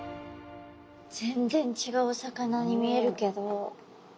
全然ちがうお魚に見えるけど。